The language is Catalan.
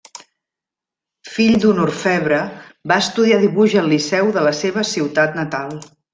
Fill d'un orfebre, va estudiar dibuix al liceu de la seva ciutat natal.